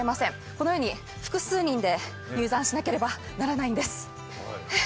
このように複数人で入山しなければならないんです。